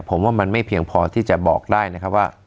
ผมว่ามันไม่เพียงพอที่จะบอกได้นะครับว่า